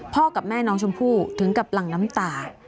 กับแม่น้องชมพู่ถึงกับหลั่งน้ำตา